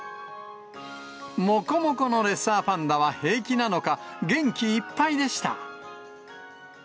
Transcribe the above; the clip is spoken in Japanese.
もこもこのレッサーパンダは平気なのか、元気いっぱいでした。